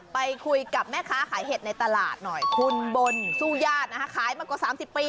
ไปคุยกับแม่ค้าขายเห็ดในตลาดหน่อยคุณบนสู้ญาตินะคะขายมากว่า๓๐ปี